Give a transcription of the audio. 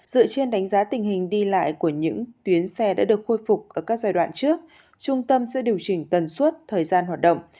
dựa trên đánh giá tình hình đi lại của những tuyến xe đã được khôi phục ở các giai đoạn trước trung tâm sẽ điều chỉnh tần suốt thời gian hoạt động